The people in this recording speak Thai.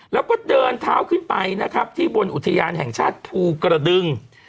แล้วก็เดินเท้าขึ้นไปนะครับที่บนอุทยานแห่งชาติภูกระดึง